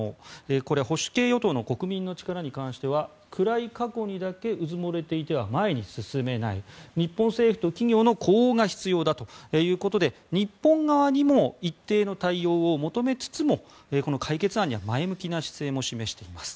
これ、保守系与党の国民の力に関しては暗い過去にだけうずもれていては前に進めない日本政府と企業の呼応が必要だということで日本側にも一定の対応を求めつつもこの解決案には前向きな姿勢も示しています。